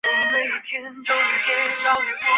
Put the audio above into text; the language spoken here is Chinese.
四壁有诸天画像。